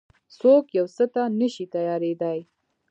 څوک يو څه ته نه شي تيارېدای.